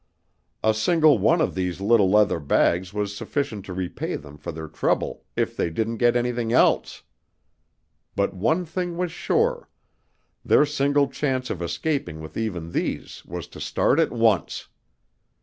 A single one of these little leather bags was sufficient to repay them for their trouble if they didn't get anything else. But one thing was sure their single chance of escaping with even these was to start at once.